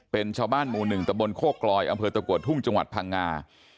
เป็นชาวบ้านหมู่๑ตะบนโคกลอยอำเภอตะกัวทุ่งจังหวัดพังงา